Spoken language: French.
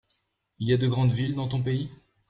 Il y a de grandes villes dans ton pays ?